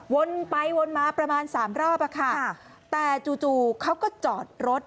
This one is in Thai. วนไปวนมาประมาณ๓รอบแต่จู่เขาก็จอดรถ